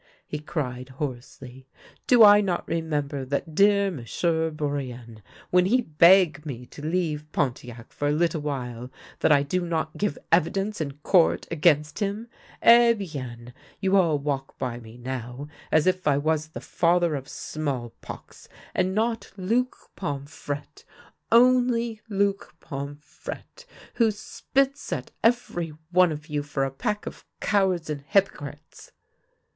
he cried hoarsely. " Do I not remember that dear M'sieu' Bourienne, when he beg me to leave Pontiac for a little while that I do not give evidence in court against him ? Eh bien! you all walk by me now, as if I was the father of small pox, and not Luc Pomfrette — only Luc Pomfrette, who spits at every one of you for a pack of cowards and hypocrites."